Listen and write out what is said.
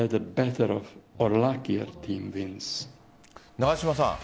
永島さん